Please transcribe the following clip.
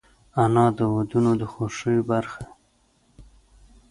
انا د ودونو د خوښیو برخه وي